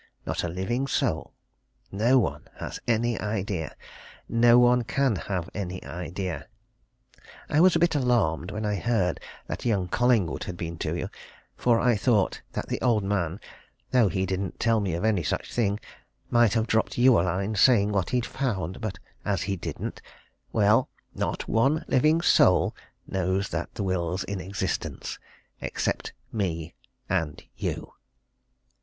Not a living soul. No one has any idea! No one can have any idea. I was a bit alarmed when I heard that young Collingwood had been to you, for I thought that the old man, though he didn't tell me of any such thing, might have dropped you a line saying what he'd found. But as he didn't well, not one living soul knows that the will's in existence, except me and you!"